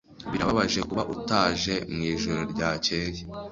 Birababaje kuba utaje mwijoro ryakeye.